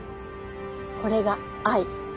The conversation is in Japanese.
これが「アイ」。